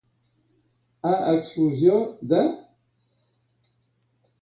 A exclusió de.